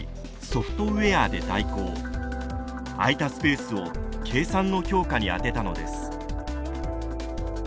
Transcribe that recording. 空いたスペースを計算の強化にあてたのです。